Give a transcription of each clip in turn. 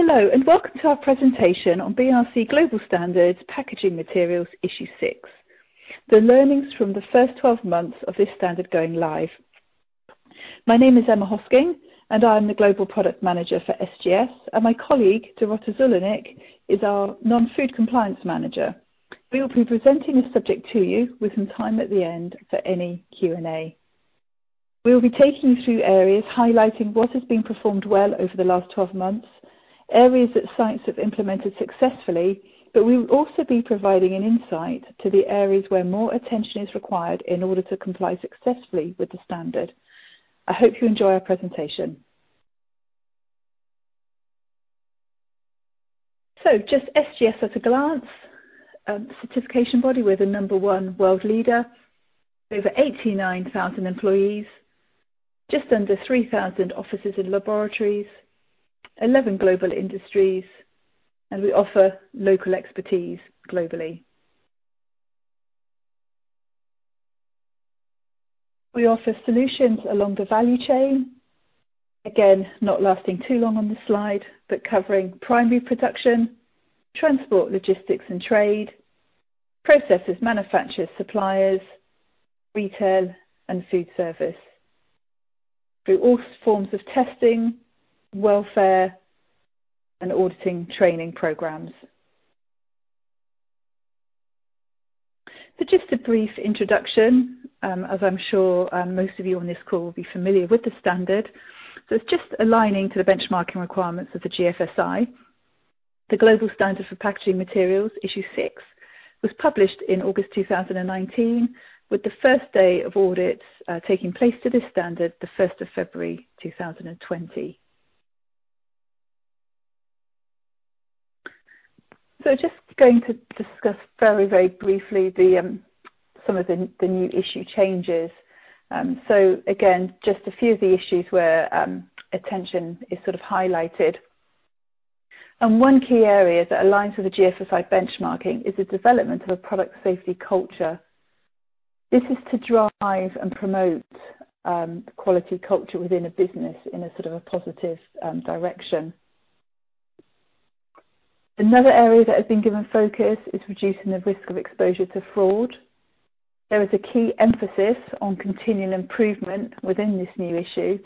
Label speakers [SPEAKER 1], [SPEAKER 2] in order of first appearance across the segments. [SPEAKER 1] Hello, and welcome to our presentation on BRCGS Packaging Materials, Issue 6: The Learnings from the First 12 Months of this Standard Going Live. My name is Emma Hosking, and I am the Global Product Manager for SGS, and my colleague, Dorota Zulawnik, is our Non-Food Compliance Manager. We will be presenting this subject to you with some time at the end for any Q&A. We will be taking you through areas highlighting what has been performed well over the last 12 months, areas that sites have implemented successfully, but we will also be providing an insight to the areas where more attention is required in order to comply successfully with the standard. I hope you enjoy our presentation. Just SGS at a glance: a certification body. We're the number one world leader, over 89,000 employees, just under 3,000 offices and laboratories, 11 global industries, and we offer local expertise globally. We offer solutions along the value chain, again, not lasting too long on this slide, but covering primary production, transport, logistics, and trade, processes, manufacturers, suppliers, retail, and food service, through all forms of testing, verification, and auditing training programs. Just a brief introduction, as I'm sure most of you on this call will be familiar with the standard. It's just aligning to the benchmarking requirements of the GFSI. The Global Standards for Packaging Materials, Issue 6, was published in August 2019, with the first day of audits taking place to this standard the 1st of February 2020. Just going to discuss very, very briefly some of the new issue changes. Again, just a few of the issues where attention is sort of highlighted. One key area that aligns with the GFSI benchmarking is the development of a product safety culture. This is to drive and promote quality culture within a business in a sort of a positive direction. Another area that has been given focus is reducing the risk of exposure to fraud. There is a key emphasis on continuing improvement within this new issue,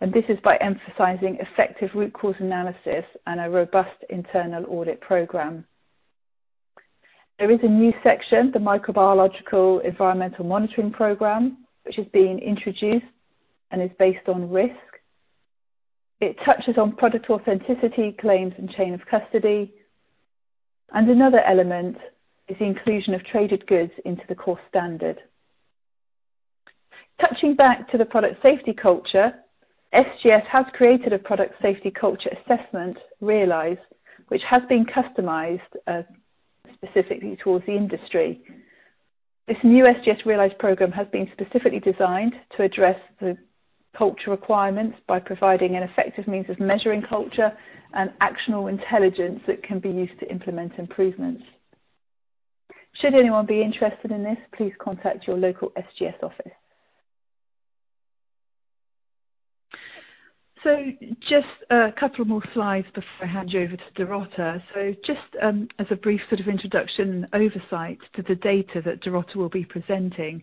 [SPEAKER 1] and this is by emphasizing effective root cause analysis and a robust internal audit program. There is a new section, the Microbiological Environmental Monitoring Program, which is being introduced and is based on risk. It touches on product authenticity, claims, and chain of custody. Another element is the inclusion of traded goods into the core standard. Touching back to the product safety culture, SGS has created a product safety culture assessment, Realize, which has been customized specifically toward the industry. This new SGS Realize program has been specifically designed to address the culture requirements by providing an effective means of measuring culture and actionable intelligence that can be used to implement improvements. Should anyone be interested in this, please contact your local SGS office. So, just a couple more slides before I hand you over to Dorota. So, just as a brief sort of introduction and oversight to the data that Dorota will be presenting,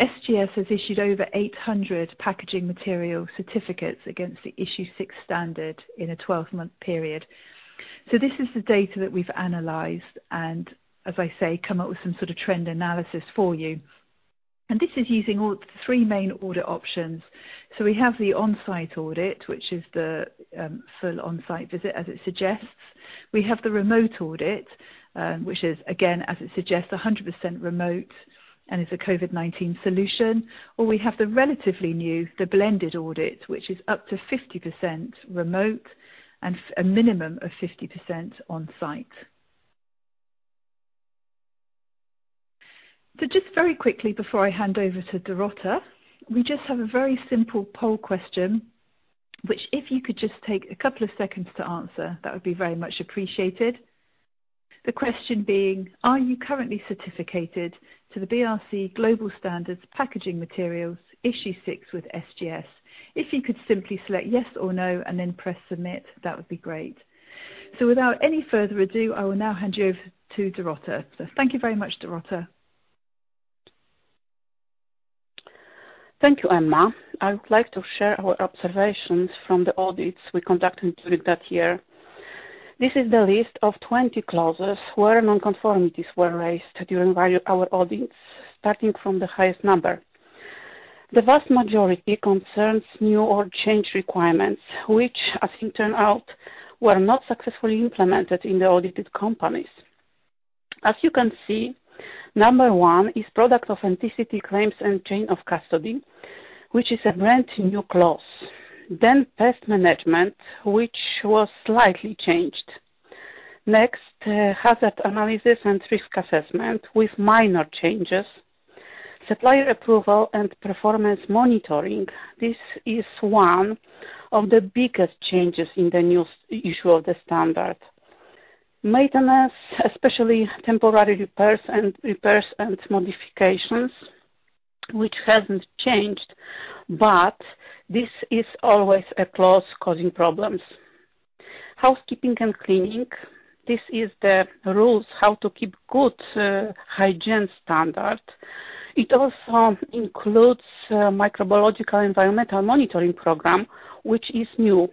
[SPEAKER 1] SGS has issued over 800 packaging material certificates against the Issue 6 standard in a 12-month period. So, this is the data that we've analyzed and, as I say, come up with some sort of trend analysis for you, and this is using all three main audit options. So, we have the on-site audit, which is the full on-site visit, as it suggests. We have the remote audit, which is, again, as it suggests, 100% remote and is a COVID-19 solution. Or we have the relatively new, the blended audit, which is up to 50% remote and a minimum of 50% on-site. So, just very quickly before I hand over to Dorota, we just have a very simple poll question, which if you could just take a couple of seconds to answer, that would be very much appreciated. The question being, "Are you currently certificated to the BRC Global Standards Packaging Materials, Issue 6 with SGS?" If you could simply select yes or no and then press submit, that would be great. So, without any further ado, I ,will now hand you over to Dorota. So, thank you very much, Dorota.
[SPEAKER 2] Thank you, Emma. I would like to share our observations from the audits we conducted during that year. This is the list of 20 clauses where non-conformities were raised during our audits, starting from the highest number. The vast majority concerns new or changed requirements, which, as it turned out, were not successfully implemented in the audited companies. As you can see, number one is product authenticity claims and chain of custody, which is a brand new clause. Then pest management, which was slightly changed. Next, hazard analysis and risk assessment with minor changes. Supplier approval and performance monitoring, this is one of the biggest changes in the new issue of the standard. Maintenance, especially temporary repairs and modifications, which hasn't changed, but this is always a clause causing problems. Housekeeping and cleaning, this is the rules how to keep good hygiene standard. It also includes Microbiological Environmental Monitoring Program, which is new.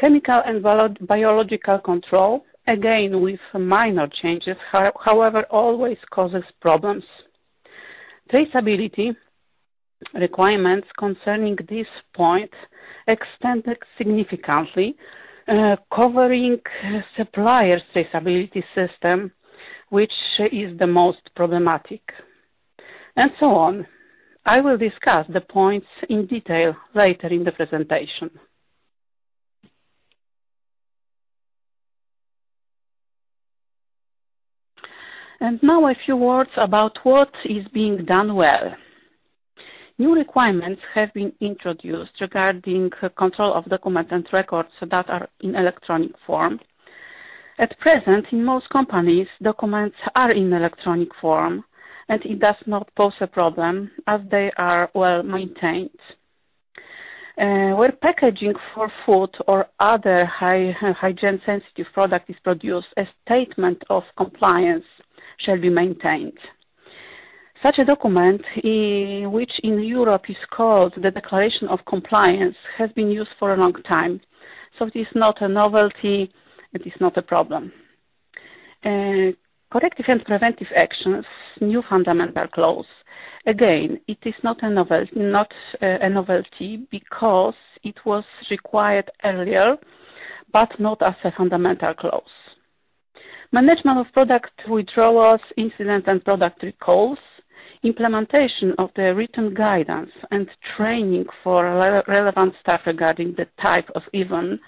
[SPEAKER 2] Chemical and biological control, again with minor changes, however, always causes problems. Traceability requirements concerning this point extended significantly, covering supplier's traceability system, which is the most problematic. And so on. I will discuss the points in detail later in the presentation. And now a few words about what is being done well. New requirements have been introduced regarding control of documents and records that are in electronic form. At present, in most companies, documents are in electronic form, and it does not pose a problem as they are well maintained. When packaging for food or other hygiene-sensitive products is produced, a statement of compliance shall be maintained. Such a document, which in Europe is called the Declaration of Compliance, has been used for a long time, so it is not a novelty. It is not a problem. Corrective and preventive actions, new fundamental clause. Again, it is not a novelty because it was required earlier, but not as a fundamental clause. Management of product withdrawals, incidents, and product recalls, implementation of the written guidance, and training for relevant staff regarding the type of event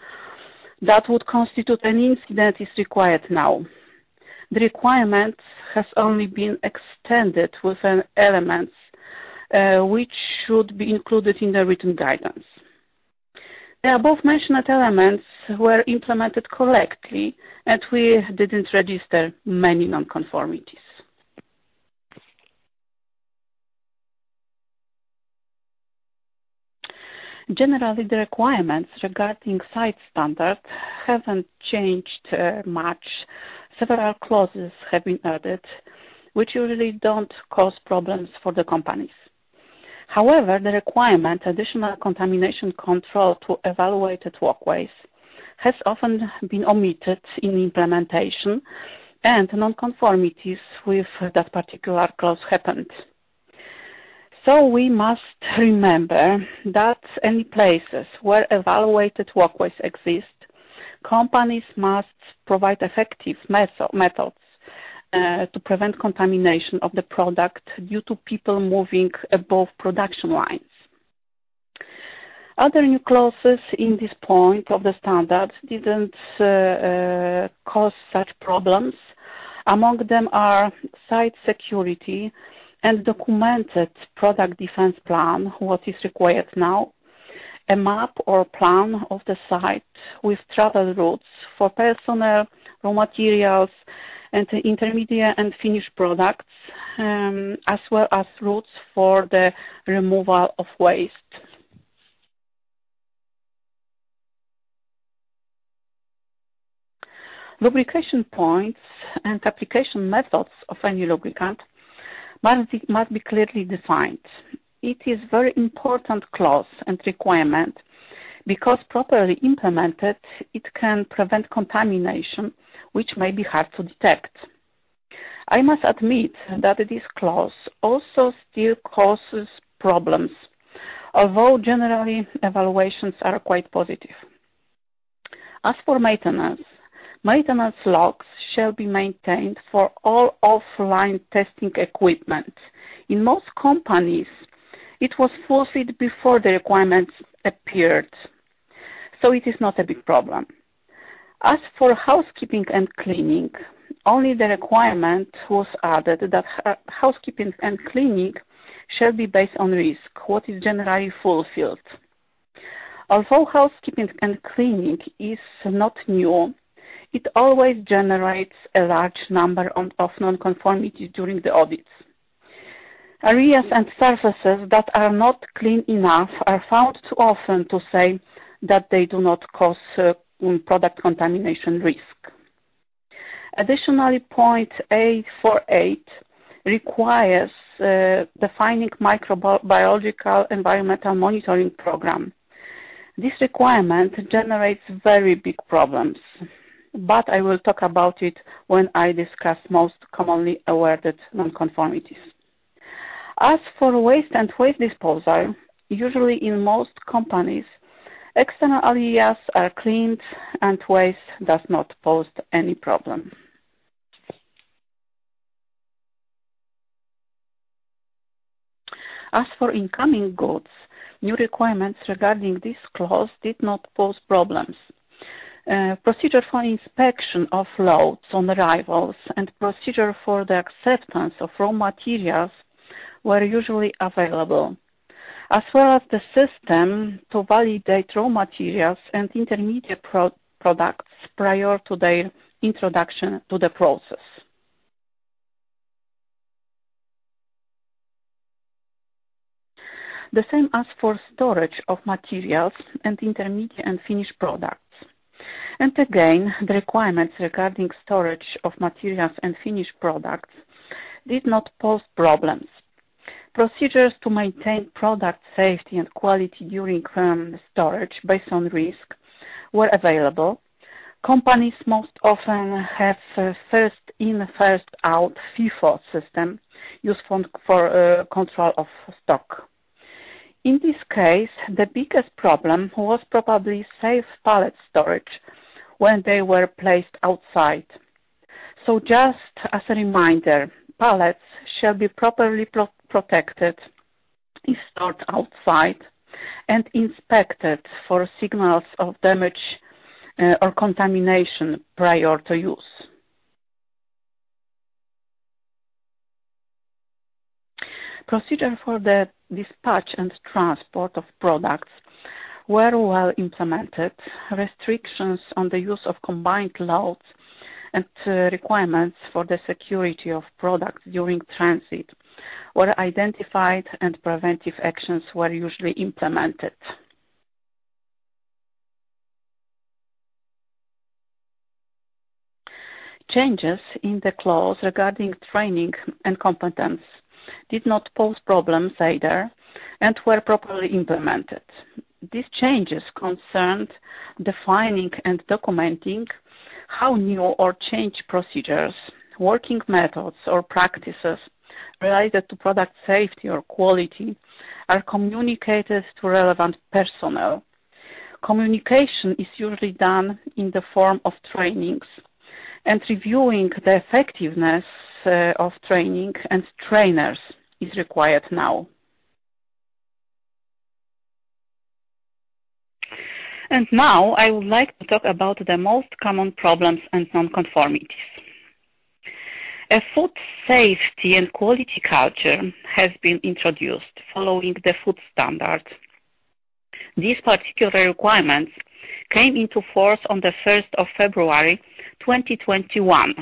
[SPEAKER 2] that would constitute an incident is required now. The requirement has only been extended with elements which should be included in the written guidance. The above-mentioned elements were implemented correctly, and we didn't register many non-conformities. Generally, the requirements regarding site standards haven't changed much. Several clauses have been added, which usually don't cause problems for the companies. However, the requirement, additional contamination control to elevated walkways, has often been omitted in implementation, and non-conformities with that particular clause happened. We must remember that any places where elevated walkways exist, companies must provide effective methods to prevent contamination of the product due to people moving above production lines. Other new clauses in this point of the standard didn't cause such problems. Among them are site security and documented food defense plan, what is required now, a map or plan of the site with travel routes for personnel, raw materials, and intermediate and finished products, as well as routes for the removal of waste. Lubrication points and application methods of any lubricant must be clearly defined. It is a very important clause and requirement because, properly implemented, it can prevent contamination, which may be hard to detect. I must admit that this clause also still causes problems, although generally, evaluations are quite positive. As for maintenance, maintenance logs shall be maintained for all offline testing equipment. In most companies, it was fulfilled before the requirements appeared, so it is not a big problem. As for housekeeping and cleaning, only the requirement was added that housekeeping and cleaning shall be based on risk, what is generally fulfilled. Although housekeeping and cleaning is not new, it always generates a large number of non-conformities during the audits. Areas and surfaces that are not clean enough are found too often to say that they do not cause product contamination risk. Additionally, 8.4.8 requires defining Microbiological Environmental Monitoring Program. This requirement generates very big problems, but I will talk about it when I discuss most commonly awarded non-conformities. As for waste and waste disposal, usually in most companies, external areas are cleaned and waste does not pose any problem. As for incoming goods, new requirements regarding this clause did not pose problems. Procedure for inspection of loads on arrivals and procedure for the acceptance of raw materials were usually available, as well as the system to validate raw materials and intermediate products prior to their introduction to the process. The same as for storage of materials and intermediate and finished products, and again, the requirements regarding storage of materials and finished products did not pose problems. Procedures to maintain product safety and quality during storage based on risk were available. Companies most often have first in, first out (FIFO) system used for control of stock. In this case, the biggest problem was probably safe pallet storage when they were placed outside, so just as a reminder, pallets shall be properly protected if stored outside and inspected for signs of damage or contamination prior to use. Procedure for the dispatch and transport of products were well implemented. Restrictions on the use of combined loads and requirements for the security of products during transit were identified, and preventive actions were usually implemented. Changes in the clause regarding training and competence did not pose problems either and were properly implemented. These changes concerned defining and documenting how new or changed procedures, working methods, or practices related to product safety or quality are communicated to relevant personnel. Communication is usually done in the form of trainings, and reviewing the effectiveness of training and trainers is required now and now, I would like to talk about the most common problems and non-conformities. A food safety and quality culture has been introduced following the food standards. These particular requirements came into force on the 1st of February, 2021,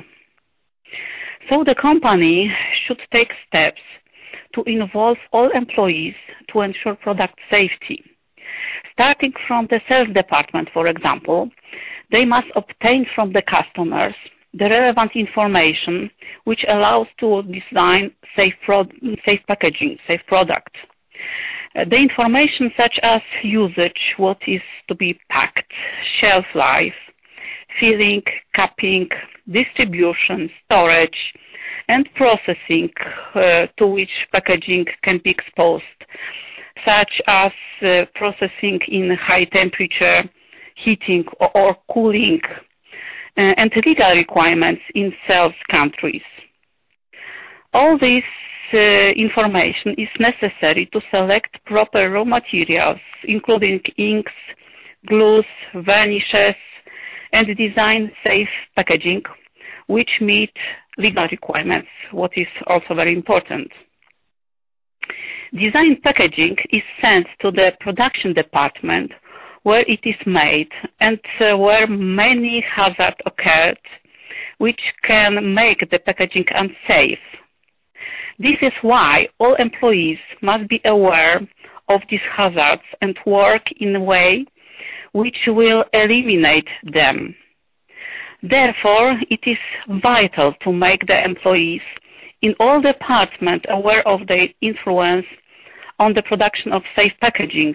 [SPEAKER 2] so the company should take steps to involve all employees to ensure product safety. Starting from the sales department, for example, they must obtain from the customers the relevant information which allows them to design safe packaging, safe product. The information such as usage, what is to be packed, shelf life, filling, cupping, distribution, storage, and processing to which packaging can be exposed, such as processing in high temperature, heating, or cooling, and legal requirements in sales countries. All this information is necessary to select proper raw materials, including inks, glues, varnishes, and design safe packaging, which meet legal requirements, what is also very important. Design packaging is sent to the production department where it is made and where many hazards occur, which can make the packaging unsafe. This is why all employees must be aware of these hazards and work in a way which will eliminate them. Therefore, it is vital to make the employees in all departments aware of the influence on the production of safe packaging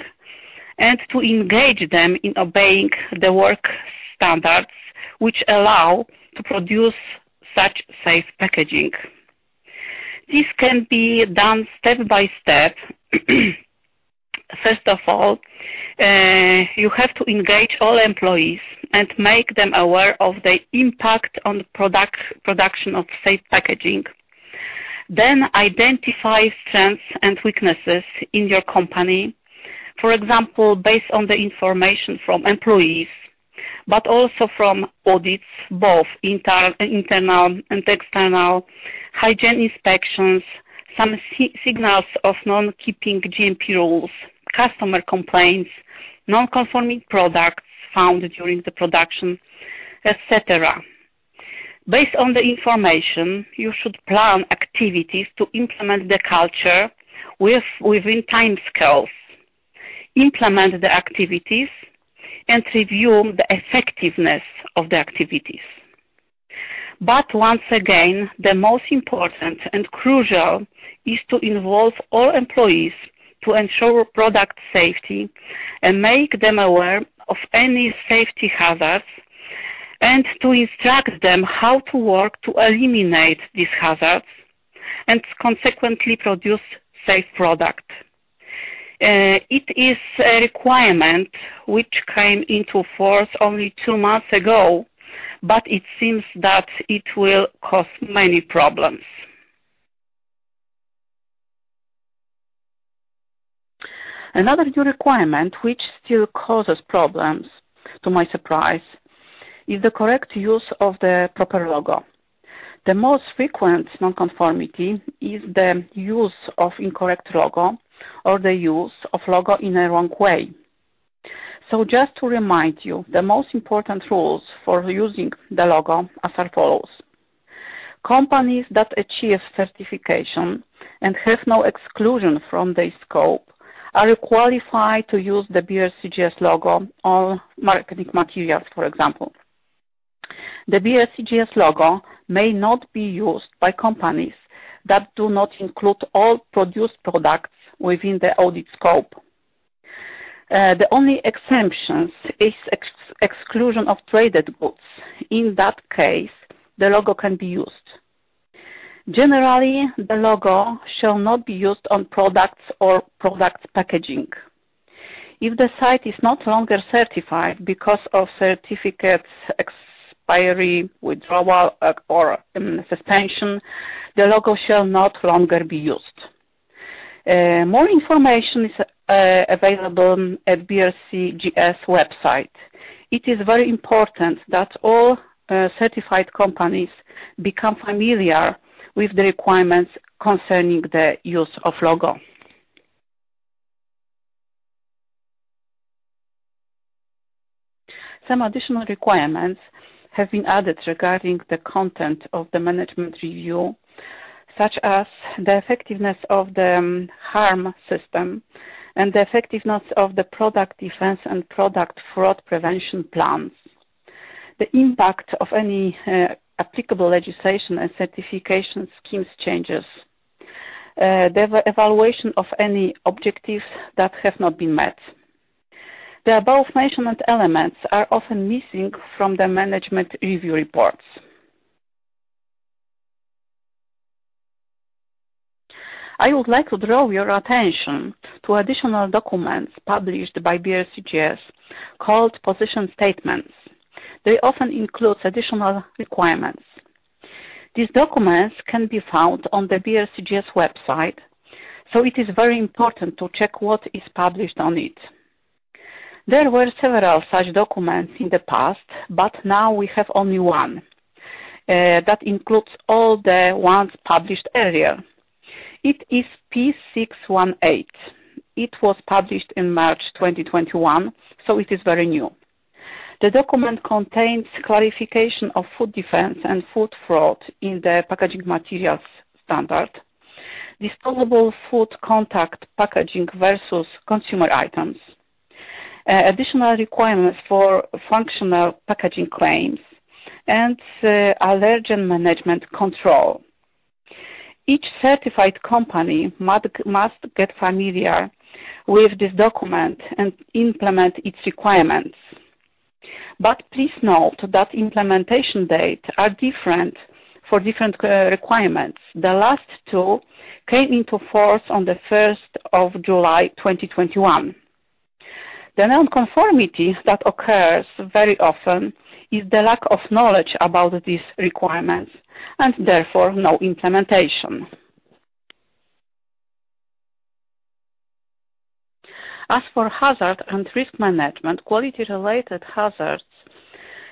[SPEAKER 2] and to engage them in obeying the work standards which allow to produce such safe packaging. This can be done step by step. First of all, you have to engage all employees and make them aware of the impact on the production of safe packaging. Then, identify strengths and weaknesses in your company, for example, based on the information from employees, but also from audits, both internal and external, hygiene inspections, some signals of non-keeping GMP rules, customer complaints, non-conforming products found during the production, etc. Based on the information, you should plan activities to implement the culture within time scales, implement the activities, and review the effectiveness of the activities. But once again, the most important and crucial is to involve all employees to ensure product safety and make them aware of any safety hazards and to instruct them how to work to eliminate these hazards and consequently produce safe products. It is a requirement which came into force only two months ago, but it seems that it will cause many problems. Another new requirement which still causes problems, to my surprise, is the correct use of the proper logo. The most frequent non-conformity is the use of incorrect logo or the use of logo in a wrong way. So, just to remind you, the most important rules for using the logo are as follows. Companies that achieve certification and have no exclusion from the scope are qualified to use the BRCGS logo on marketing materials, for example. The BRCGS logo may not be used by companies that do not include all produced products within the audit scope. The only exemption is exclusion of traded goods. In that case, the logo can be used. Generally, the logo shall not be used on products or product packaging. If the site is no longer certified because of certificate expiry, withdrawal, or suspension, the logo shall no longer be used. More information is available at the BRCGS website. It is very important that all certified companies become familiar with the requirements concerning the use of the logo. Some additional requirements have been added regarding the content of the management review, such as the effectiveness of the HACCP system and the effectiveness of the product defense and product fraud prevention plans, the impact of any applicable legislation and certification schemes changes, the evaluation of any objectives that have not been met. The above-mentioned elements are often missing from the management review reports. I would like to draw your attention to additional documents published by BRCGS called position statements. They often include additional requirements. These documents can be found on the BRCGS website, so it is very important to check what is published on it. There were several such documents in the past, but now we have only one that includes all the ones published earlier. It is P618. It was published in March 2021, so it is very new. The document contains clarification of food defense and food fraud in the packaging materials standard, disposable food contact packaging versus consumer items, additional requirements for functional packaging claims, and allergen management control. Each certified company must get familiar with this document and implement its requirements. But please note that implementation dates are different for different requirements. The last two came into force on the 1st of July 2021. The non-conformity that occurs very often is the lack of knowledge about these requirements and therefore no implementation. As for hazard and risk management, quality-related hazards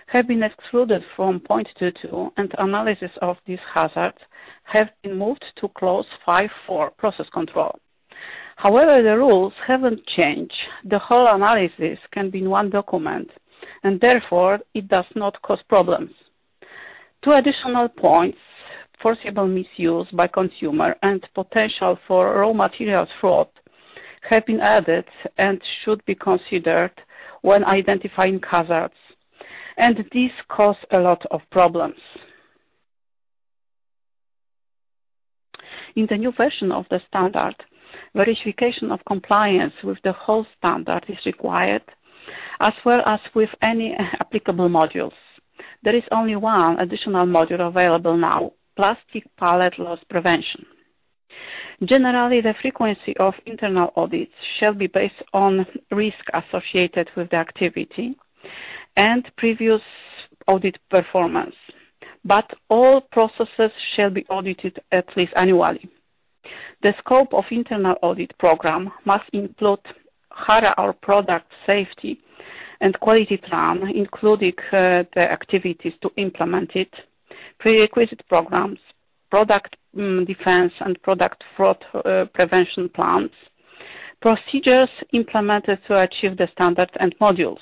[SPEAKER 2] have been excluded from 2.2, and analysis of these hazards has been moved to clause 5.4, process control. However, the rules haven't changed. The whole analysis can be in one document, and therefore it does not cause problems. Two additional points, foreseeable misuse by consumer and potential for raw materials fraud, have been added and should be considered when identifying hazards, and these cause a lot of problems. In the new version of the standard, verification of compliance with the whole standard is required, as well as with any applicable modules. There is only one additional module available now, Plastic Pellet Loss Prevention. Generally, the frequency of internal audits shall be based on risk associated with the activity and previous audit performance, but all processes shall be audited at least annually. The scope of the internal audit program must include higher-order product safety and quality plan, including the activities to implement it, prerequisite programs, product defense, and product fraud prevention plans, procedures implemented to achieve the standard and modules.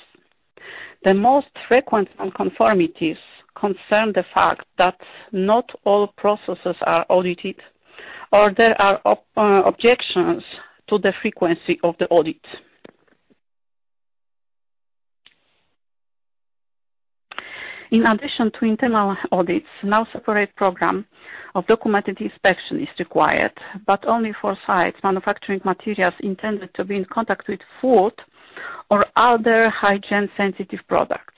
[SPEAKER 2] The most frequent non-conformities concern the fact that not all processes are audited or there are objections to the frequency of the audit. In addition to internal audits, now a separate program of documented inspection is required, but only for sites manufacturing materials intended to be in contact with food or other hygiene-sensitive products.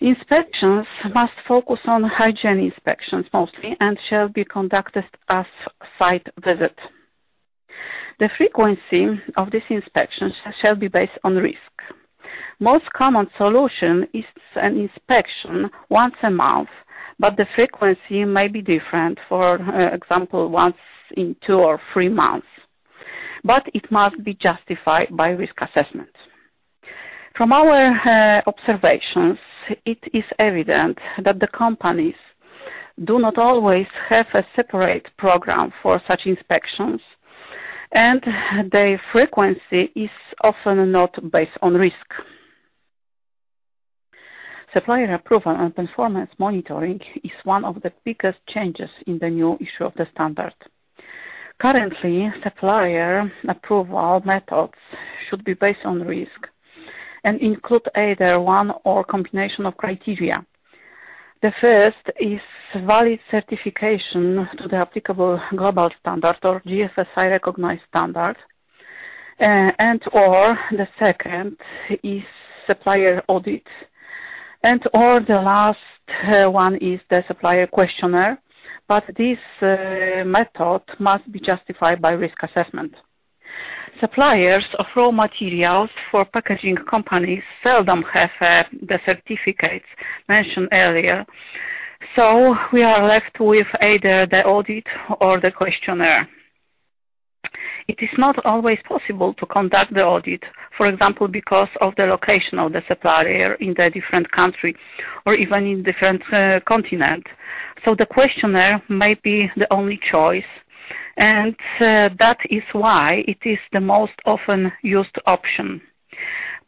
[SPEAKER 2] Inspections must focus on hygiene inspections mostly and shall be conducted as site visits. The frequency of these inspections shall be based on risk. Most common solution is an inspection once a month, but the frequency may be different, for example, once in two or three months, but it must be justified by risk assessment. From our observations, it is evident that the companies do not always have a separate program for such inspections, and their frequency is often not based on risk. Supplier approval and performance monitoring is one of the biggest changes in the new issue of the standard. Currently, supplier approval methods should be based on risk and include either one or a combination of criteria. The first is valid certification to the applicable global standard or GFSI-recognized standard, and/or the second is supplier audit, and/or the last one is the supplier questionnaire, but this method must be justified by risk assessment. Suppliers of raw materials for packaging companies seldom have the certificates mentioned earlier, so we are left with either the audit or the questionnaire. It is not always possible to conduct the audit, for example, because of the location of the supplier in the different country or even in different continents, so the questionnaire may be the only choice, and that is why it is the most often used option.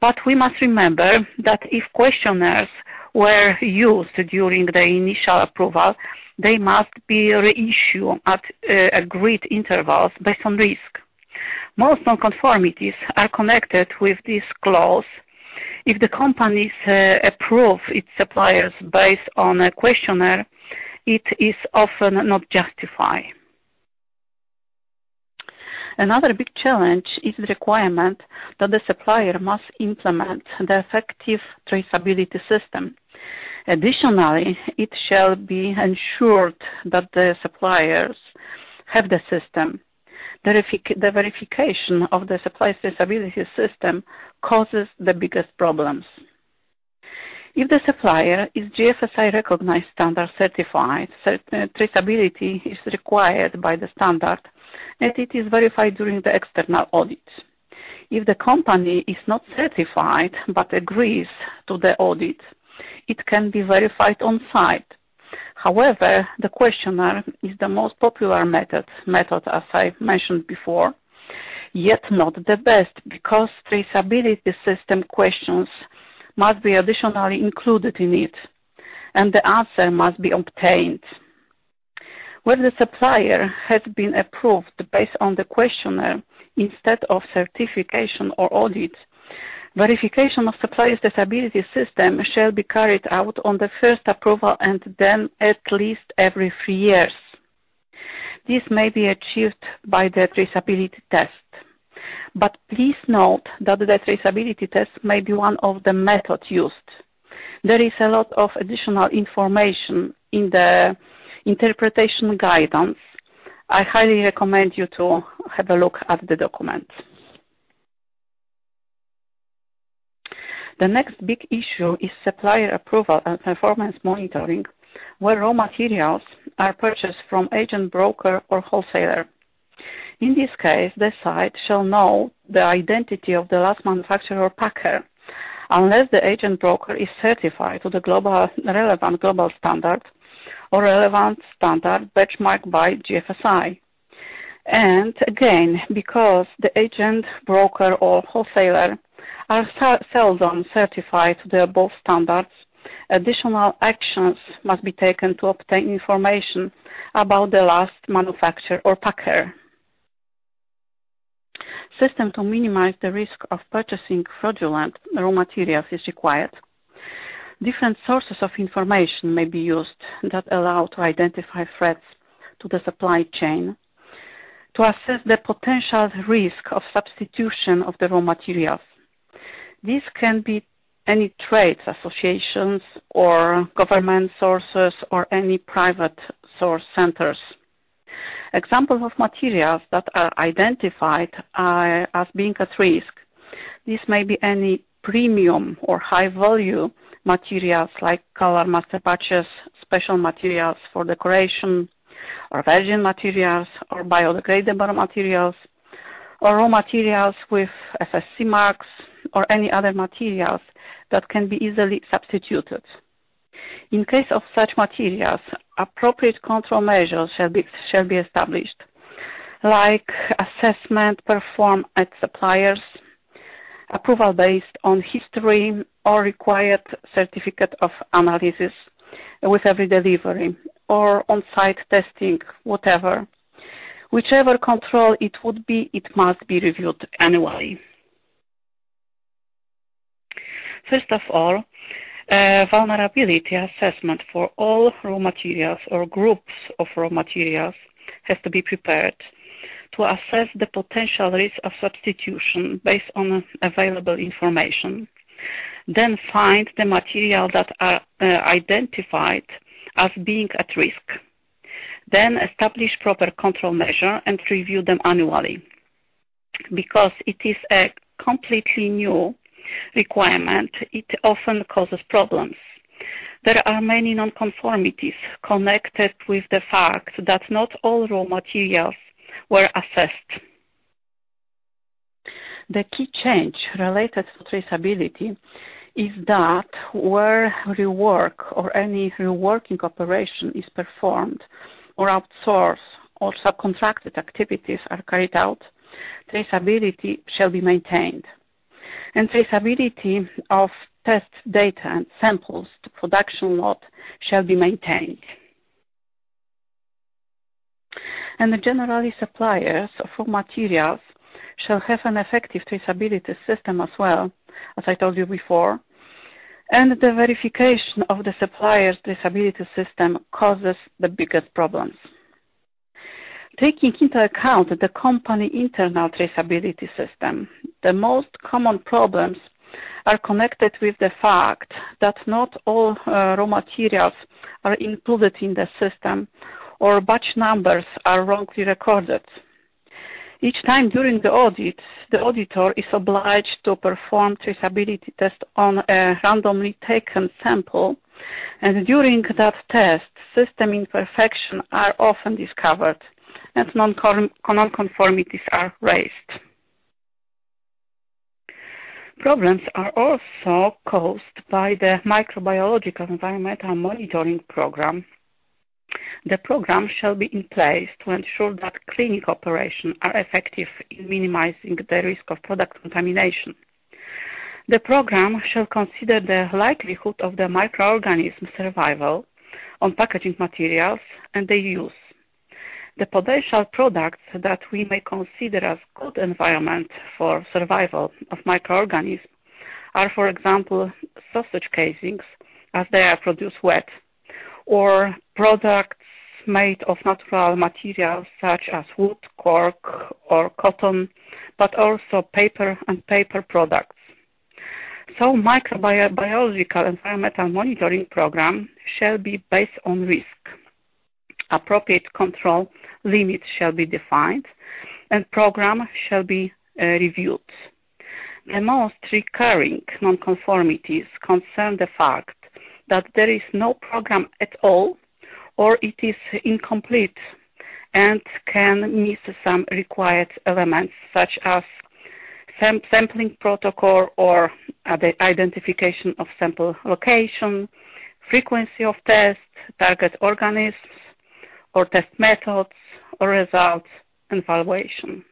[SPEAKER 2] But we must remember that if questionnaires were used during the initial approval, they must be reissued at agreed intervals based on risk. Most non-conformities are connected with this clause. If the companies approve its suppliers based on a questionnaire, it is often not justified. Another big challenge is the requirement that the supplier must implement the effective traceability system. Additionally, it shall be ensured that the suppliers have the system. The verification of the supply traceability system causes the biggest problems. If the supplier is GFSI-recognized standard certified, traceability is required by the standard, and it is verified during the external audit. If the company is not certified but agrees to the audit, it can be verified on-site. However, the questionnaire is the most popular method, as I've mentioned before, yet not the best because traceability system questions must be additionally included in it, and the answer must be obtained. When the supplier has been approved based on the questionnaire instead of certification or audit, verification of supplier's traceability system shall be carried out on the first approval and then at least every three years. This may be achieved by the traceability test. But please note that the traceability test may be one of the methods used. There is a lot of additional information in the interpretation guidance. I highly recommend you to have a look at the document. The next big issue is supplier approval and performance monitoring where raw materials are purchased from agent, broker, or wholesaler. In this case, the site shall know the identity of the last manufacturer or packer unless the agent, broker is certified to the relevant global standard or relevant standard benchmarked by GFSI, and again, because the agent, broker, or wholesaler are seldom certified to the above standards, additional actions must be taken to obtain information about the last manufacturer or packer. System to minimize the risk of purchasing fraudulent raw materials is required. Different sources of information may be used that allow to identify threats to the supply chain to assess the potential risk of substitution of the raw materials. These can be any trade associations or government sources or any private source centers. Examples of materials that are identified as being at risk. This may be any premium or high-value materials like color master batches, special materials for decoration, or virgin materials, or biodegradable materials, or raw materials with FSC marks, or any other materials that can be easily substituted. In case of such materials, appropriate control measures shall be established, like assessment performed at suppliers, approval based on history or required certificate of analysis with every delivery, or on-site testing, whatever. Whichever control it would be, it must be reviewed annually. First of all, vulnerability assessment for all raw materials or groups of raw materials has to be prepared to assess the potential risk of substitution based on available information, then find the material that are identified as being at risk. Then establish proper control measure and review them annually. Because it is a completely new requirement, it often causes problems. There are many non-conformities connected with the fact that not all raw materials were assessed. The key change related to traceability is that where rework or any reworking operation is performed or outsourced or subcontracted activities are carried out, traceability shall be maintained, and traceability of test data and samples to production lot shall be maintained. And generally, suppliers of raw materials shall have an effective traceability system as well, as I told you before, and the verification of the supplier's traceability system causes the biggest problems. Taking into account the company internal traceability system, the most common problems are connected with the fact that not all raw materials are included in the system or batch numbers are wrongly recorded. Each time during the audit, the auditor is obliged to perform traceability tests on a randomly taken sample, and during that test, system imperfections are often discovered and non-conformities are raised. Problems are also caused by the microbiological environmental monitoring program. The program shall be in place to ensure that cleaning operations are effective in minimizing the risk of product contamination. The program shall consider the likelihood of the microorganism survival on packaging materials and their use. The potential products that we may consider as good environment for survival of microorganisms are, for example, sausage casings as they are produced wet, or products made of natural materials such as wood, cork, or cotton, but also paper and paper products. So microbiological environmental monitoring program shall be based on risk. Appropriate control limits shall be defined, and programs shall be reviewed. The most recurring non-conformities concern the fact that there is no program at all or it is incomplete and can miss some required elements such as sampling protocol or the identification of sample location, frequency of test, target organisms or test methods, or results and evaluation.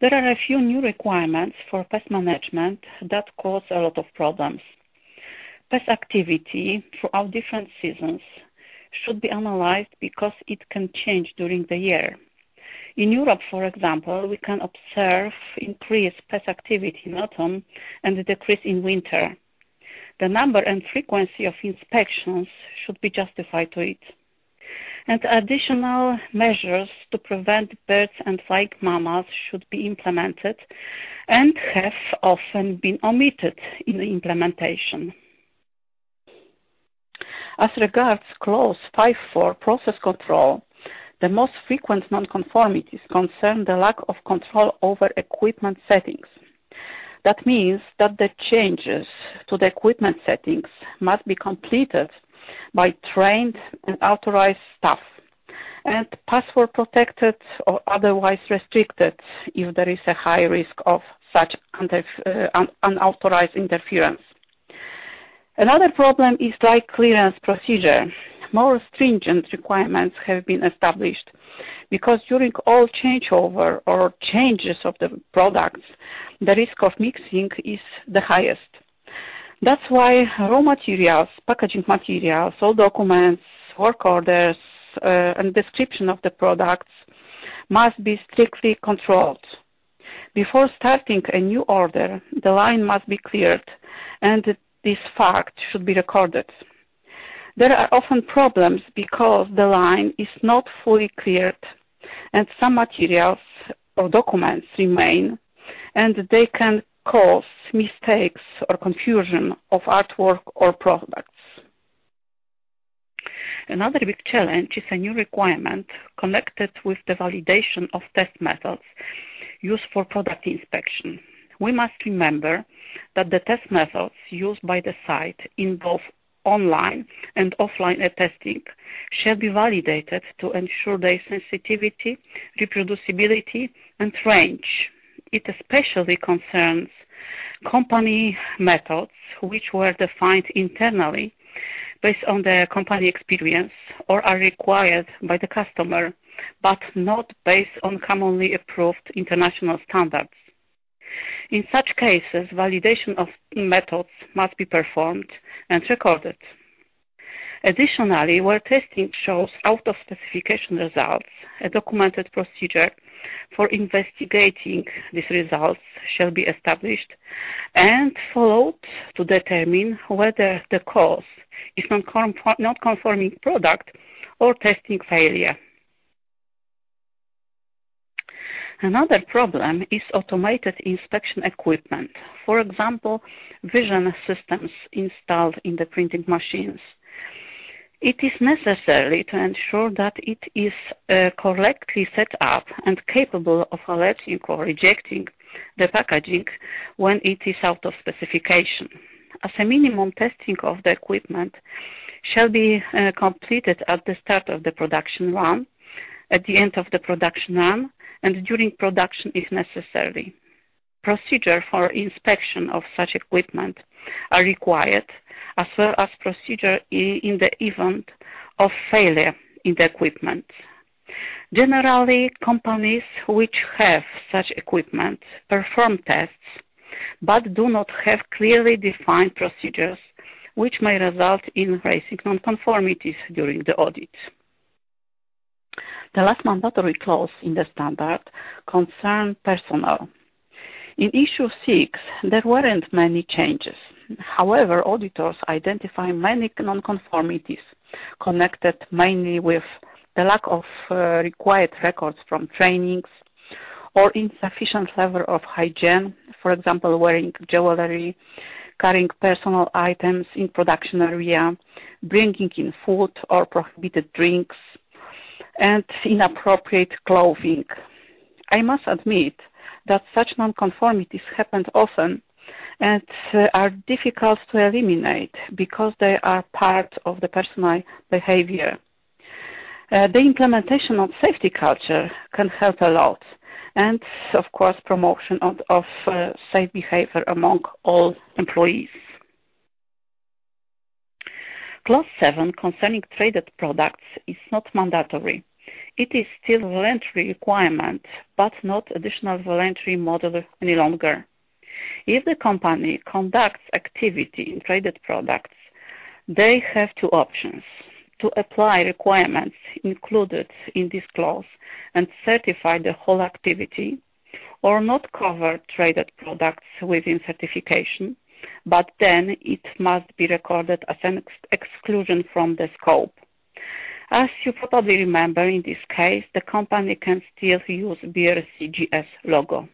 [SPEAKER 2] There are a few new requirements for pest management that cause a lot of problems. Pest activity throughout different seasons should be analyzed because it can change during the year. In Europe, for example, we can observe increased pest activity in autumn and decrease in winter. The number and frequency of inspections should be justified to it, and additional measures to prevent birds and flying mammals should be implemented and have often been omitted in the implementation. As regards clause 5.4, process control, the most frequent non-conformities concern the lack of control over equipment settings. That means that the changes to the equipment settings must be completed by trained and authorized staff and password protected or otherwise restricted if there is a high risk of such unauthorized interference. Another problem is dry clearance procedure. More stringent requirements have been established because during all changeover or changes of the products, the risk of mixing is the highest. That's why raw materials, packaging materials, all documents, work orders, and description of the products must be strictly controlled. Before starting a new order, the line must be cleared, and this fact should be recorded. There are often problems because the line is not fully cleared, and some materials or documents remain, and they can cause mistakes or confusion of artwork or products. Another big challenge is a new requirement connected with the validation of test methods used for product inspection. We must remember that the test methods used by the site in both online and offline testing shall be validated to ensure their sensitivity, reproducibility, and range. It especially concerns company methods which were defined internally based on their company experience or are required by the customer, but not based on commonly approved international standards. In such cases, validation of methods must be performed and recorded. Additionally, where testing shows out-of-specification results, a documented procedure for investigating these results shall be established and followed to determine whether the cause is non-conforming product or testing failure. Another problem is automated inspection equipment, for example, vision systems installed in the printing machines. It is necessary to ensure that it is correctly set up and capable of alerting or rejecting the packaging when it is out of specification. As a minimum, testing of the equipment shall be completed at the start of the production run, at the end of the production run, and during production if necessary. Procedures for inspection of such equipment are required, as well as procedures in the event of failure in the equipment. Generally, companies which have such equipment perform tests but do not have clearly defined procedures, which may result in raising non-conformities during the audit. The last mandatory clause in the standard concerns personnel. In Issue 6, there weren't many changes. However, auditors identified many non-conformities connected mainly with the lack of required records from trainings or insufficient level of hygiene, for example, wearing jewelry, carrying personal items in production area, bringing in food or prohibited drinks, and inappropriate clothing. I must admit that such non-conformities happen often and are difficult to eliminate because they are part of the personnel behavior. The implementation of safety culture can help a lot, and of course, promotion of safe behavior among all employees. Clause 7 concerning traded products is not mandatory. It is still a voluntary requirement, but not additional voluntary model any longer. If the company conducts activity in traded products, they have two options: to apply requirements included in this clause and certify the whole activity, or not cover traded products within certification, but then it must be recorded as an exclusion from the scope. As you probably remember, in this case, the company can still use BRCGS logo.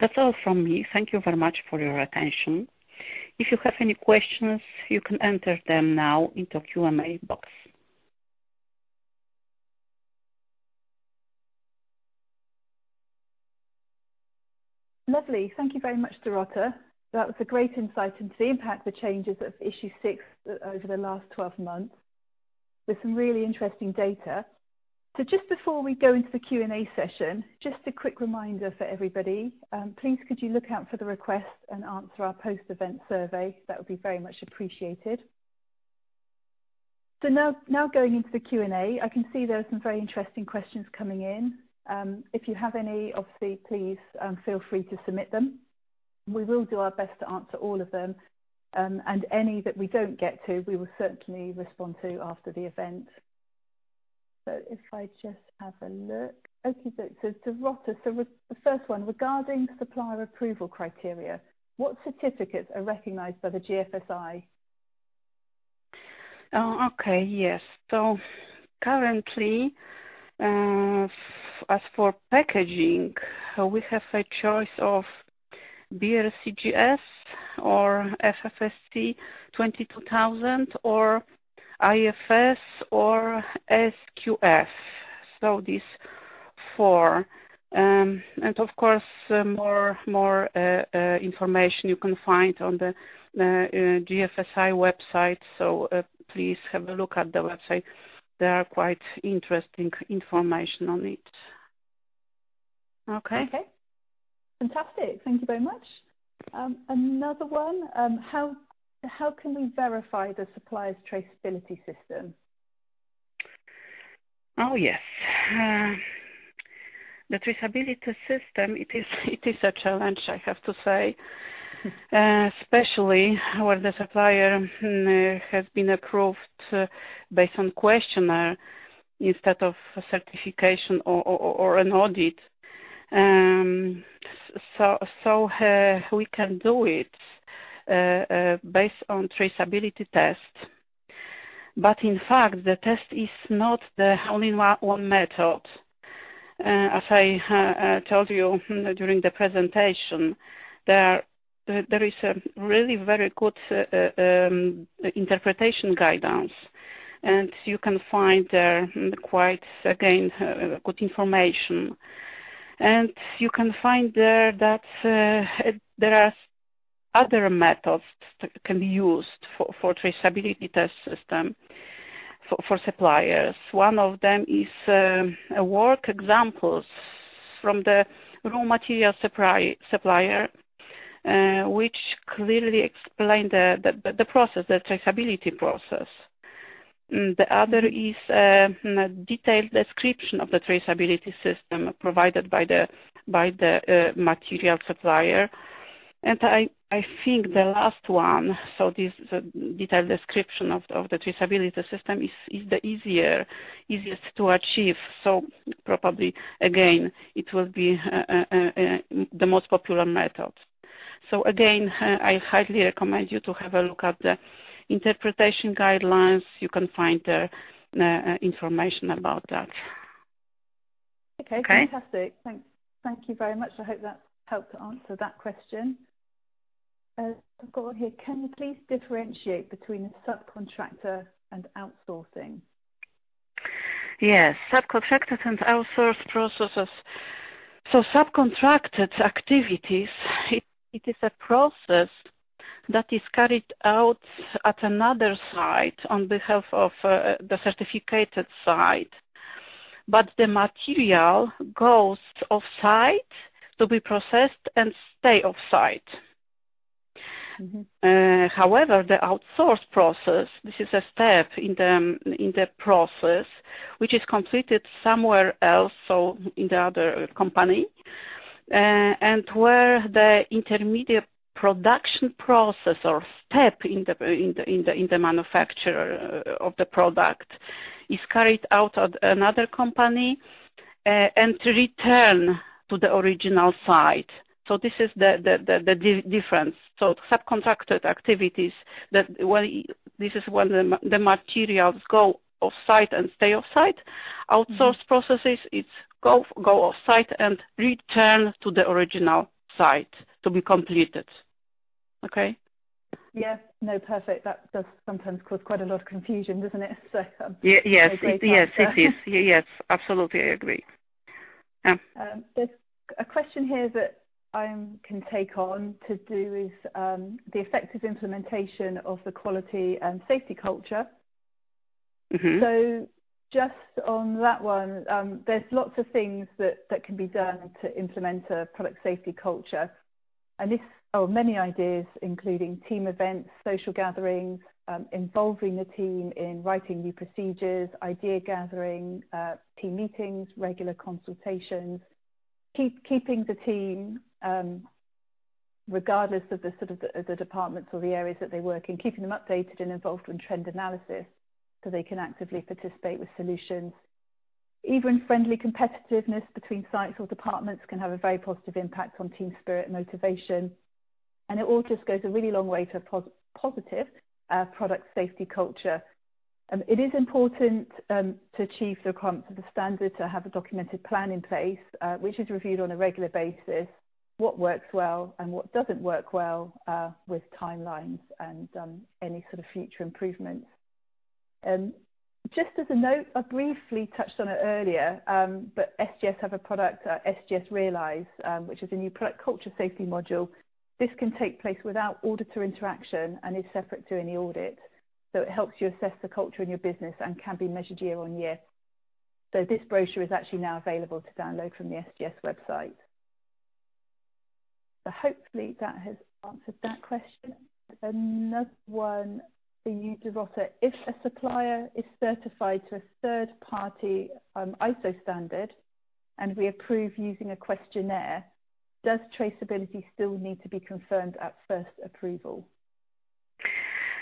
[SPEAKER 2] That's all from me. Thank you very much for your attention. If you have any questions, you can enter them now into the Q&A box.
[SPEAKER 1] Lovely. Thank you very much, Dorota. That was a great insight into the impact of the changes of Issue 6 over the last 12 months with some really interesting data. So just before we go into the Q&A session, just a quick reminder for everybody, please could you look out for the request and answer our post-event survey? That would be very much appreciated. So now going into the Q&A, I can see there are some very interesting questions coming in. If you have any, obviously, please feel free to submit them. We will do our best to answer all of them, and any that we don't get to, we will certainly respond to after the event. So if I just have a look. Okay, so Dorota, so the first one, regarding supplier approval criteria, what certificates are recognized by the GFSI?
[SPEAKER 2] Okay, yes. So currently, as for packaging, we have a choice of BRCGS or FSSC 22000 or IFS or SQF, so these four. And of course, more information you can find on the GFSI website, so please have a look at the website. There are quite interesting information on it.
[SPEAKER 1] Okay. Fantastic. Thank you very much. Another one, how can we verify the supplier's traceability system?
[SPEAKER 2] Oh, yes. The traceability system, it is a challenge, I have to say, especially where the supplier has been approved based on a questionnaire instead of a certification or an audit. So we can do it based on traceability tests, but in fact, the test is not the only one method. As I told you during the presentation, there is a really very good interpretation guidance, and you can find there quite, again, good information. You can find there that there are other methods that can be used for traceability testing system for suppliers. One of them is worked examples from the raw material supplier, which clearly explain the process, the traceability process. The other is a detailed description of the traceability system provided by the material supplier. I think the last one, so this detailed description of the traceability system is the easiest to achieve. Probably, again, it will be the most popular method. Again, I highly recommend you to have a look at the interpretation guidelines. You can find there information about that.
[SPEAKER 1] Okay. Fantastic. Thank you very much. I hope that helped to answer that question. I've got one here. Can you please differentiate between a subcontractor and outsourcing?
[SPEAKER 2] Yes. Subcontractors and outsourced processes. Subcontracted activities, it is a process that is carried out at another site on behalf of the certified site, but the material goes off-site to be processed and stays off-site. However, the outsourced process, this is a step in the process which is completed somewhere else, so in the other company, and where the intermediate production process or step in the manufacturing of the product is carried out at another company and returned to the original site. This is the difference. Subcontracted activities, this is when the materials go off-site and stay off-site. Outsourced processes, it's when it goes off-site and returns to the original site to be completed. Okay?
[SPEAKER 1] Yes. No, perfect. That does sometimes cause quite a lot of confusion, doesn't it?
[SPEAKER 2] Yes. Yes, it is. Yes, absolutely. I agree.
[SPEAKER 1] A question here that I can take on to do with the effective implementation of the quality and safety culture. So just on that one, there's lots of things that can be done to implement a product safety culture. And there are many ideas, including team events, social gatherings, involving the team in writing new procedures, idea gathering, team meetings, regular consultations, keeping the team, regardless of the sort of departments or the areas that they work in, keeping them updated and involved in trend analysis so they can actively participate with solutions. Even friendly competitiveness between sites or departments can have a very positive impact on team spirit and motivation. And it all just goes a really long way to a positive product safety culture. It is important to achieve the requirements of the standard, to have a documented plan in place, which is reviewed on a regular basis, what works well and what doesn't work well with timelines and any sort of future improvements, and just as a note, I briefly touched on it earlier, but SGS have a product, SGS Realize, which is a new product safety culture module. This can take place without auditor interaction and is separate to any audit, so it helps you assess the culture in your business and can be measured year on year, so this brochure is actually now available to download from the SGS website, so hopefully, that has answered that question. Another one for you, Dorota. If a supplier is certified to a third-party ISO standard and we approve using a questionnaire, does traceability still need to be confirmed at first approval?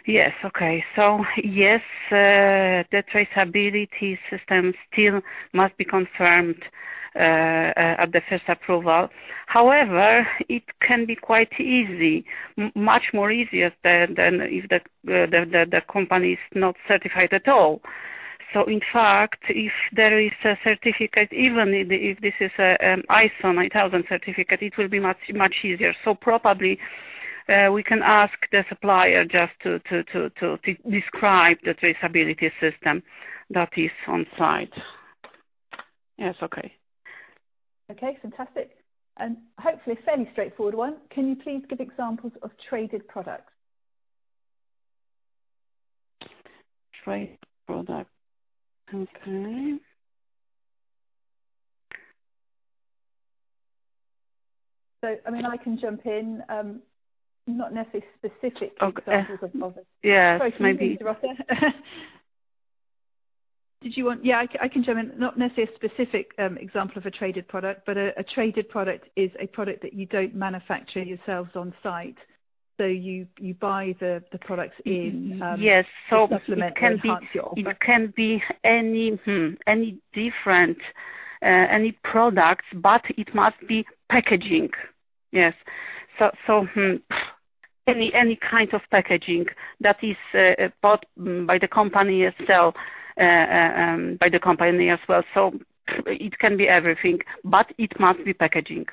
[SPEAKER 2] Yes. Okay. So yes, the traceability system still must be confirmed at the first approval. However, it can be quite easy, much more easier than if the company is not certified at all. So in fact, if there is a certificate, even if this is an ISO 9000 certificate, it will be much easier. So probably, we can ask the supplier just to describe the traceability system that is on-site. Yes. Okay.
[SPEAKER 1] Okay. Fantastic. And hopefully, a fairly straightforward one. Can you please give examples of traded products?
[SPEAKER 2] Traded products. Okay.
[SPEAKER 1] So I mean, I can jump in, not necessarily specific examples of products.
[SPEAKER 2] Yeah. Maybe.
[SPEAKER 1] Sorry, sorry, Dorota. Did you want, yeah, I can jump in. Not necessarily a specific example of a traded product, but a traded product is a product that you don't manufacture yourselves on-site, so you buy the products in supplementary parts of it.
[SPEAKER 2] So it can be any different products, but it must be packaging. Yes. So any kind of packaging that is bought by the company itself, by the company as well. So it can be everything, but it must be packaging.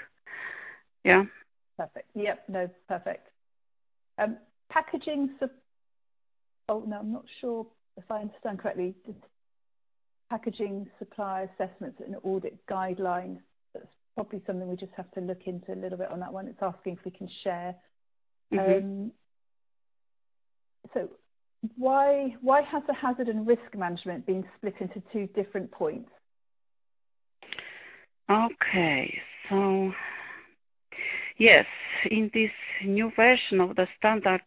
[SPEAKER 2] Yeah.
[SPEAKER 1] Perfect. Yep. No, perfect. Packaging, oh, no, I'm not sure if I understand correctly. Packaging supplier assessments and audit guidelines. That's probably something we just have to look into a little bit on that one. It's asking if we can share. So why has the hazard and risk management been split into two different points?
[SPEAKER 2] Okay. So yes, in this new version of the standard,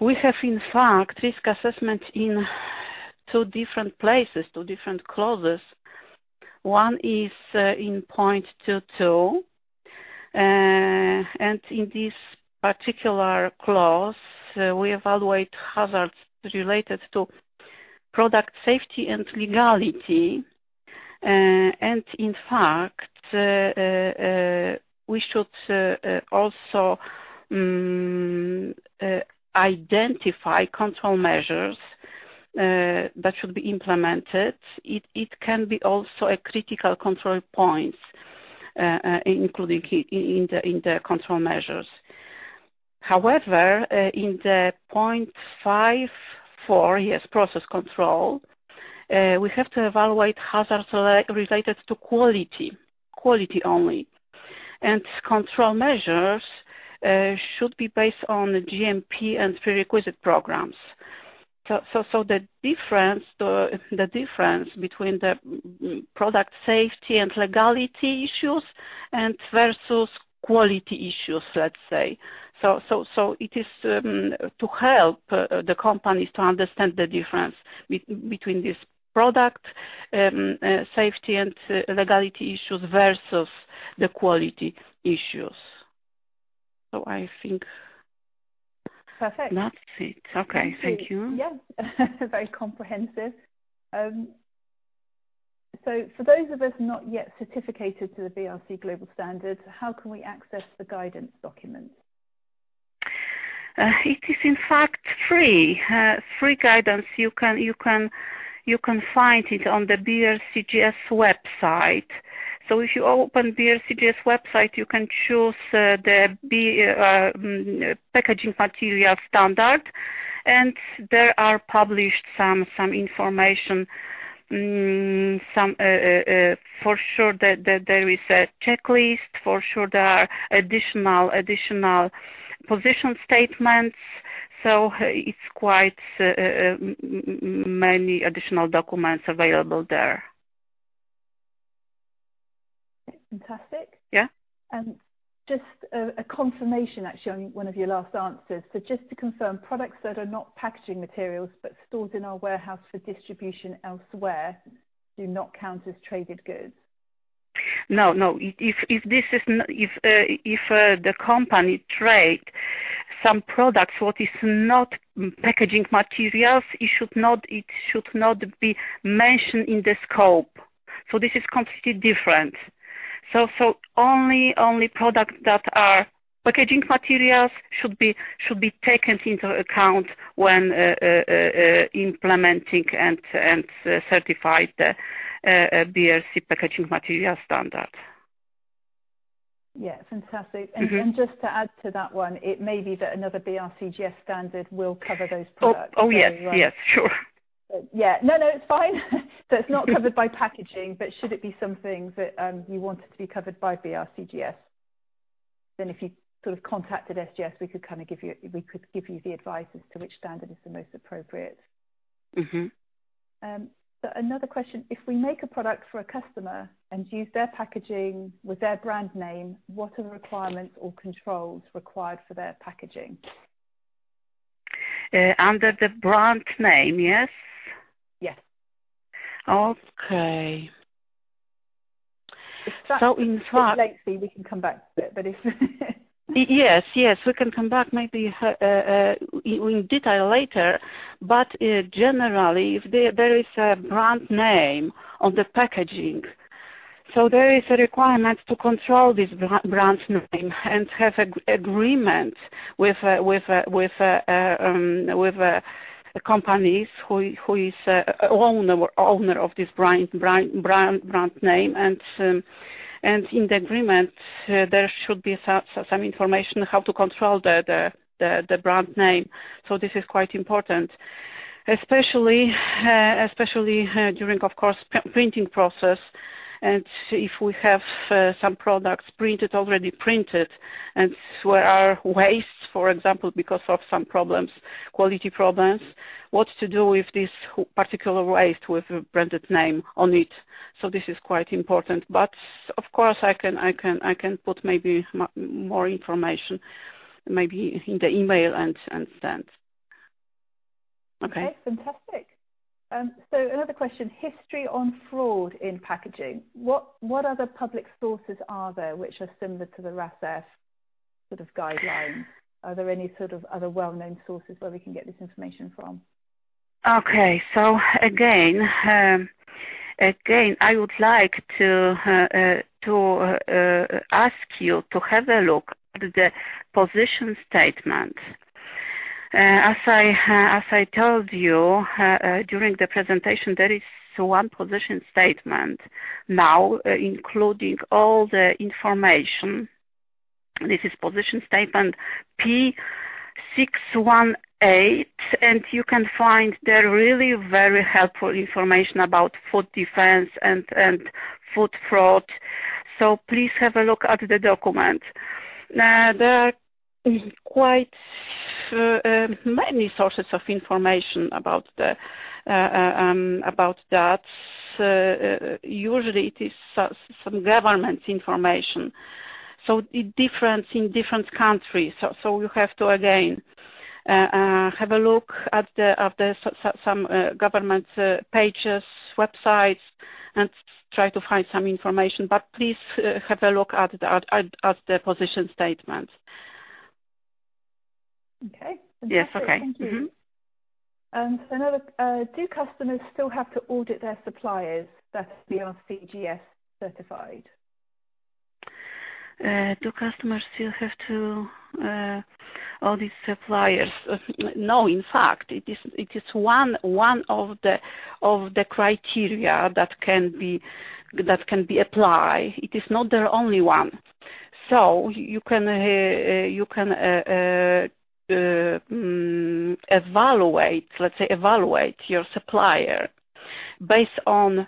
[SPEAKER 2] we have, in fact, risk assessments in two different places, two different clauses. One is in .22. And in this particular clause, we evaluate hazards related to product safety and legality. And in fact, we should also identify control measures that should be implemented. It can be also a critical control point, including in the control measures. However, in the 5.4, yes, process control, we have to evaluate hazards related to quality only. And control measures should be based on GMP and prerequisite programs. So the difference between the product safety and legality issues versus quality issues, let's say. So it is to help the companies to understand the difference between this product safety and legality issues versus the quality issues. So I think that's it. Okay. Thank you.
[SPEAKER 1] Yes. Very comprehensive. So for those of us not yet certificated to the BRC Global Standard, how can we access the guidance document?
[SPEAKER 2] It is, in fact, free. Free guidance. You can find it on the BRCGS website. So if you open BRCGS website, you can choose the packaging material standard. And there are published some information. For sure, there is a checklist. For sure, there are additional position statements. So it's quite many additional documents available there.
[SPEAKER 1] Fantastic. And just a confirmation, actually, on one of your last answers. So just to confirm, products that are not packaging materials but stored in our warehouse for distribution elsewhere do not count as traded goods?
[SPEAKER 2] No, no. If this is, if the company trades some products that are not packaging materials, it should not be mentioned in the scope. So this is completely different. So only products that are packaging materials should be taken into account when implementing and certifying the BRC Packaging Material Standard.
[SPEAKER 1] Yeah. Fantastic. And just to add to that one, it may be that another BRCGS standard will cover those products.
[SPEAKER 2] Oh, yes. Yes. Sure.
[SPEAKER 1] Yeah. No, no. It's fine, so it's not covered by packaging, but should it be something that you want it to be covered by BRCGS? Then if you sort of contacted SGS, we could give you the advice as to which standard is the most appropriate, but another question. If we make a product for a customer and use their packaging with their brand name, what are the requirements or controls required for their packaging?
[SPEAKER 2] Under the brand name, yes?
[SPEAKER 1] Yes.
[SPEAKER 2] Okay, so in fact,
[SPEAKER 1] if you want to get too lengthy, we can come back to it, but if.
[SPEAKER 2] Yes. Yes. We can come back maybe in detail later. But generally, if there is a brand name on the packaging, so there is a requirement to control this brand name and have an agreement with companies who is the owner of this brand name. And in the agreement, there should be some information on how to control the brand name. So this is quite important, especially during, of course, the printing process. And if we have some products printed already and there are waste, for example, because of some quality problems, what to do with this particular waste with the brand name on it? So this is quite important. But of course, I can put maybe more information in the email and send. Okay.
[SPEAKER 1] Okay. Fantastic. So another question. History on fraud in packaging. What other public sources are there which are similar to the RASFF sort of guidelines? Are there any sort of other well-known sources where we can get this information from?
[SPEAKER 2] Okay. So again, I would like to ask you to have a look at the Position Statement. As I told you during the presentation, there is one position statement now, including all the information. This is Position Statement P618. And you can find there really very helpful information about food defense and food fraud. So please have a look at the document. There are quite many sources of information about that. Usually, it is some government information. So it differs in different countries. So you have to, again, have a look at some government pages, websites, and try to find some information. But please have a look at the Position Statement.
[SPEAKER 1] Okay. Fantastic. Thank you. And I know that do customers still have to audit their suppliers that are BRCGS certified?
[SPEAKER 2] Do customers still have to audit suppliers? No, in fact, it is one of the criteria that can be applied. It is not the only one, so you can evaluate, let's say, your supplier based on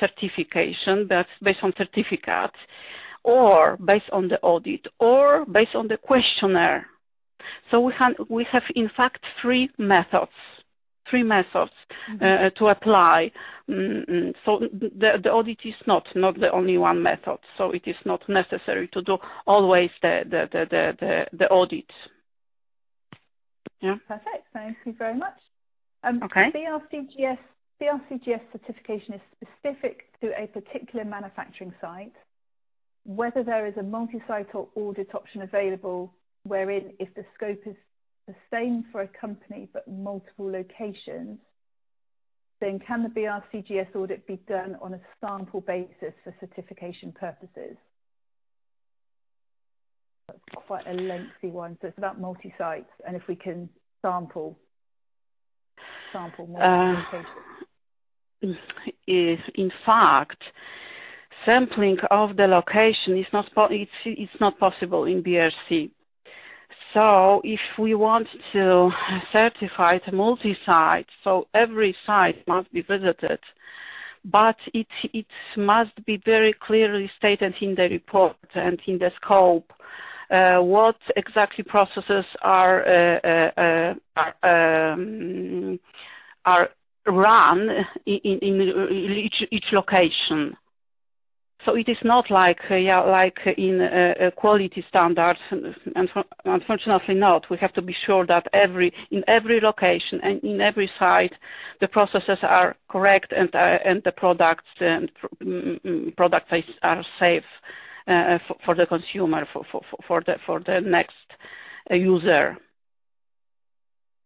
[SPEAKER 2] certification, based on certificates, or based on the audit, or based on the questionnaire, so we have, in fact, three methods to apply, so the audit is not the only one method, so it is not necessary to do always the audit.
[SPEAKER 1] Yeah. Perfect. Thank you very much. And the BRCGS certification is specific to a particular manufacturing site. Whether there is a multi-site or audit option available, wherein if the scope is the same for a company but multiple locations, then can the BRCGS audit be done on a sample basis for certification purposes? That's quite a lengthy one, so it's about multi-sites, and if we can sample multiple locations.
[SPEAKER 2] In fact, sampling of the location is not possible in BRC. So if we want to certify the multi-site, so every site must be visited, but it must be very clearly stated in the report and in the scope what exactly processes are run in each location. So it is not like in quality standards. Unfortunately, not. We have to be sure that in every location and in every site, the processes are correct and the products are safe for the consumer, for the next user.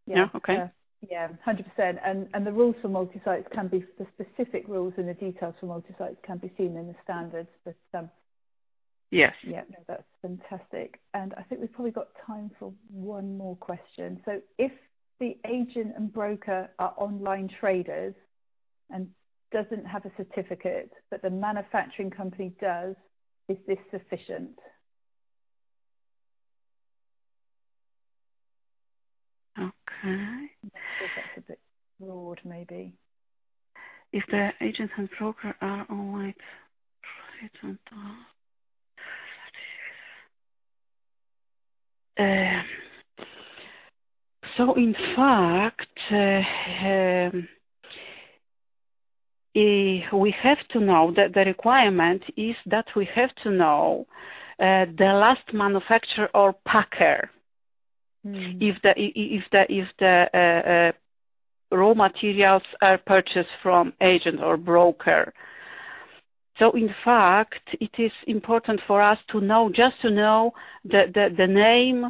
[SPEAKER 2] Yeah. Okay.
[SPEAKER 1] Yeah. 100%. And the rules for multi-sites can be the specific rules and the details for multi-sites can be seen in the standards. But yeah. Yeah. No, that's fantastic. And I think we've probably got time for one more question. So if the agent and broker are online traders and doesn't have a certificate, but the manufacturing company does, is this sufficient?
[SPEAKER 2] Okay. So that's a bit broad, maybe. If the agent and broker are online traders and all, that is. So in fact, we have to know that the requirement is that we have to know the last manufacturer or packer if the raw materials are purchased from agent or broker. So in fact, it is important for us just to know the name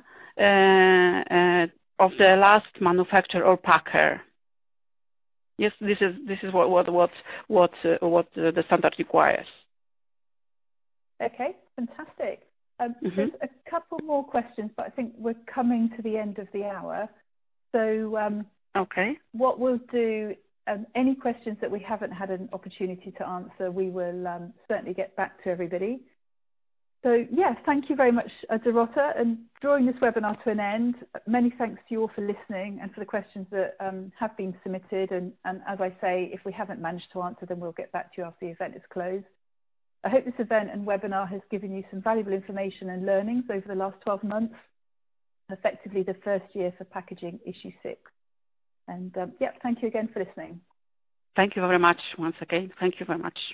[SPEAKER 2] of the last manufacturer or packer. Yes. This is what the standard requires.
[SPEAKER 1] Okay. Fantastic. Just a couple more questions, but I think we're coming to the end of the hour. So what we'll do, any questions that we haven't had an opportunity to answer, we will certainly get back to everybody. So yeah, thank you very much, Dorota, and drawing this webinar to an end, many thanks to you all for listening and for the questions that have been submitted. And, as I say, if we haven't managed to answer, then we'll get back to you after the event is closed. I hope this event and webinar has given you some valuable information and learnings over the last 12 months, effectively the first year for Packaging Issue 6. And yeah, thank you again for listening.
[SPEAKER 2] Thank you very much once again. Thank you very much.